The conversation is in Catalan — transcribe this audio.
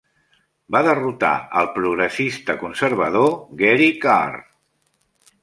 Va derrotar al progressista conservador Gary Carr.